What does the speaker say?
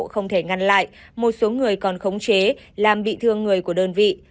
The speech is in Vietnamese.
không thể ngăn lại một số người còn khống chế làm bị thương người của đơn vị